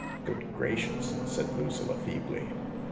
" Good gracious !" said Lucilla feebly.